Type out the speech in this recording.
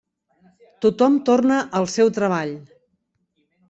Tothom torna al seu treball.